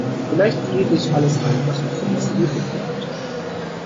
Vielleicht friere ich alles ein, was noch vom Essen übrigbleibt.